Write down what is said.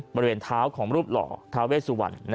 บริเวณเท้าของรูปหล่อทาเวสุวรรณ